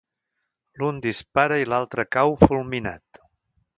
L'un dispara i l'altre cau fulminat.